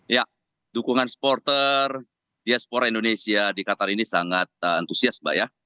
ya dukungan supporter diaspora indonesia di qatar ini sangat antusias mbak ya